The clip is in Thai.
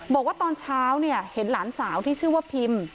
บอกว่าตอนเช้าเนี่ยเห็นหลานสาวที่ชื่อว่าพิม